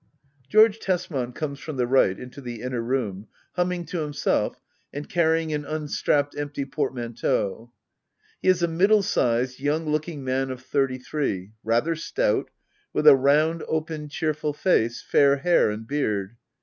George Tesman comes from the right into the inner room, humming to himself, and carrying an un strapped empty portmanteau. He is a middle sized, young looking man of thirty three, rather stout, with a round, open, cheerful face, fair hair and heard.